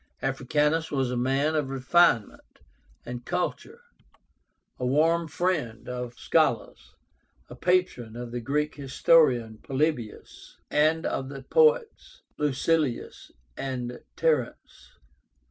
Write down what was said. Africánus was a man of refinement and culture, a warm friend of scholars, a patron of the Greek historian POLYBIUS, and of the poets LUCILIUS and TERENCE.